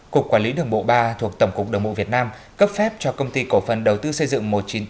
cục quản lý đường bộ ba thuộc tổng cục đường bộ việt nam cấp phép cho công ty cổ phần đầu tư xây dựng một trăm chín mươi tám